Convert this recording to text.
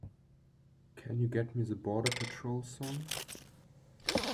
Can you get me The Border Patrol song?